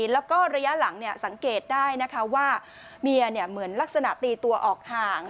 แล้วก็ระยะหลังสังเกตได้นะคะว่าเมียเหมือนลักษณะตีตัวออกห่าง